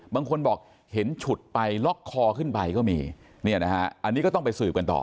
บางคนบอกเห็นฉุดไปล็อกคอขึ้นไปก็มีเนี่ยนะฮะอันนี้ก็ต้องไปสืบกันต่อ